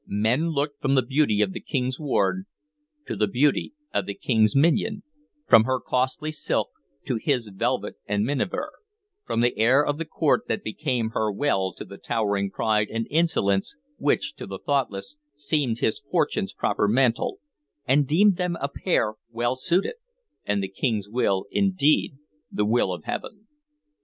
Men looked from the beauty of the King's ward to the beauty of the King's minion, from her costly silk to his velvet and miniver, from the air of the court that became her well to the towering pride and insolence which to the thoughtless seemed his fortune's proper mantle, and deemed them a pair well suited, and the King's will indeed the will of Heaven.